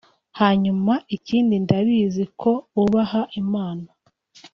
hanyuma ikindi ndabizi ko bubaha Imana